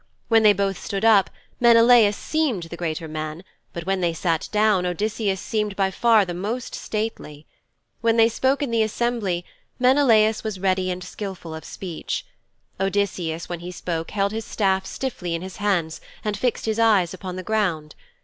When they both stood up, Menelaus seemed the greater man, but when they sat down Odysseus seemed by far the most stately. When they spoke in the assembly, Menelaus was ready and skilful of speech. Odysseus when he spoke held his staff stiffly in his hands and fixed his eyes on the ground.